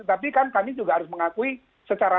tapi kan kami juga harus mengakui secara